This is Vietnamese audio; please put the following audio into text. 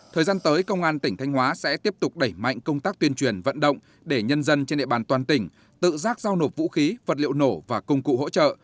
thời gian tới công an tỉnh thanh hóa sẽ tiếp tục đẩy mạnh công tác tuyên truyền vận động để nhân dân trên địa bàn toàn tỉnh tự rác giao nộp vũ khí vật liệu nổ và công cụ hỗ trợ